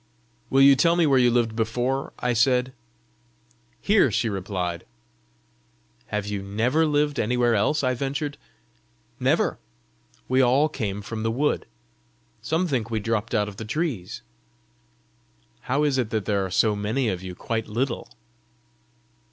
"Will you tell me where you lived before?" I said. "Here," she replied. "Have you NEVER lived anywhere else?" I ventured. "Never. We all came from the wood. Some think we dropped out of the trees." "How is it there are so many of you quite little?"